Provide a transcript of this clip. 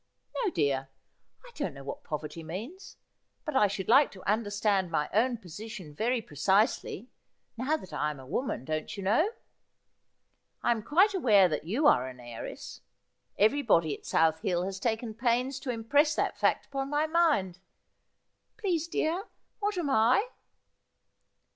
No, dear ; 1 don't know what poverty means ; but I should like to understand my own position very precisely, now that I am a woman, don't you know ? I am quite aware that you are an heiress ; everybody at South Hill has taken pains to impress that fact upon my mind. Please, dear, what am I